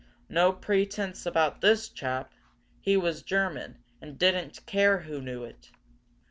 No pretence about this chap! He was German, and didn't care who knew it.